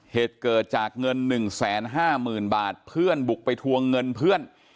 เหตุเกิดจากเงิน๑๕๐๐๐บาทเพื่อนบุกไปทวงเงินเพื่อน